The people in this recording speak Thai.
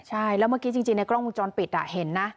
ใช่แล้วเมื่อกี้จริงในกล้องวงจรปิดเห็นนะ